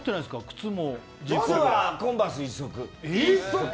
靴はコンバース１足。